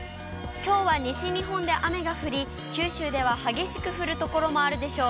きょうは西日本で雨が降り、九州では激しく降る所もあるでしょう。